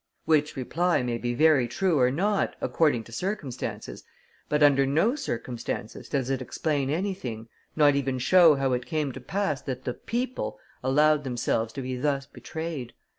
Which reply may be very true or not, according to circumstances, but under no circumstances does it explain anything not even show how it came to pass that the "people" allowed themselves to be thus betrayed.